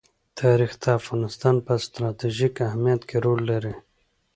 تاریخ د افغانستان په ستراتیژیک اهمیت کې رول لري.